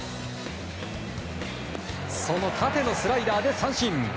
その縦のスライダーで三振。